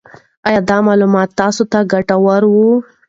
آیا دا معلومات تاسو ته ګټور وو؟